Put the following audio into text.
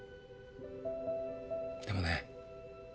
でもね